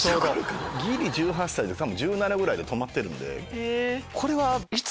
ギリ１８歳多分１７ぐらいで止まってる。